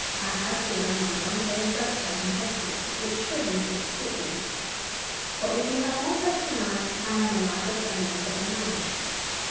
I have here mine own old breastplate and head piece, which should, methinks, fit you, for if you have more flesh than I, I am a larger framework of a man.